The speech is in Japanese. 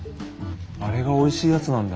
あれがおいしいやつなんだ。